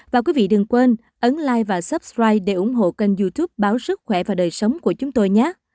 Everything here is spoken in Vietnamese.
và quý vị đừng quên ấn like và subscribe để ủng hộ kênh youtube báo sức khỏe và đời sống của chúng tôi nhé